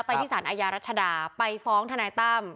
ที่สารอาญารัชดาไปฟ้องทนายตั้ม